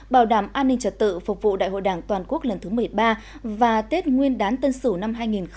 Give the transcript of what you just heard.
bảo đảm an ninh trật tự phục vụ đại hội đảng toàn quốc lần thứ một mươi ba và tết nguyên đán tân sửu năm hai nghìn hai mươi một